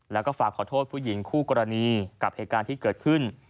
แล้วก็ฝากขอโทษผู้หญิงคู่กรณีกับเหตุการณ์ที่เกิดขึ้น